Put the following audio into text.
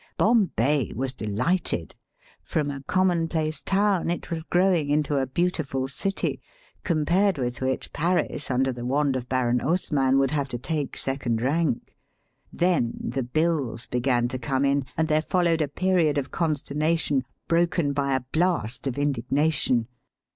Bombay was delighted. From a common place town it was growing into a beautiful city, compared with which Paris under the wand of Baron Hausmann would have to take second rank. Then the bills began to come in, and there followed a period of consternation, broken by a blast of indig nation.